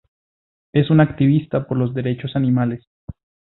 Es una activista por los derechos animales.